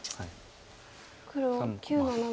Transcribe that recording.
黒９の七。